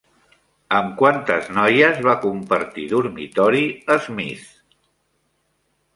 Amb quantes noies va compartir dormitori Smith?